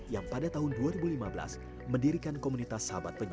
yang pada tahun dua ribu lima belas mendirikan komunitas sahabat penyu